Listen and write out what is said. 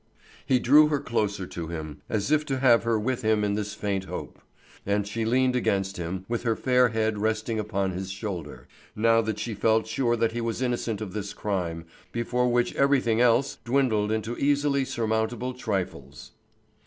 He drew her closer to him, as if to have her with him in this faint hope; and she leaned against him, with her fair head resting upon his shoulder, now that she felt sure that he was innocent of this crime, before which everything else dwindled into easily surmountable trifles.